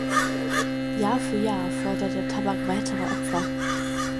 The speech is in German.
Jahr für Jahr fordert der Tabak weitere Opfer.